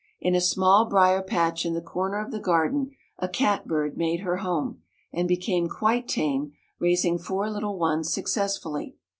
In a small briar patch in the corner of the garden a cat bird made her home, and became quite tame, raising four little ones successfully.